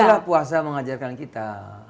nah itulah puasa mengajarkan kita